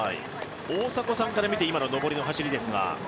大迫さんから見て、今の上りの走りですが。